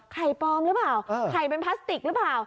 ปลอมหรือเปล่าไข่เป็นพลาสติกหรือเปล่า